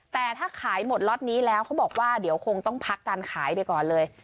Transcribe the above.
แต่ถ้าขายหมดล็อตนี้แล้วเขาบอกว่าเดี๋ยวคงต้องพักการขายไปก่อนเลย